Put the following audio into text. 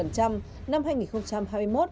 chiếm một năm hai nghìn hai mươi một